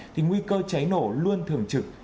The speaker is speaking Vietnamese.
thì nguy cơ cháy nổ luôn thường trực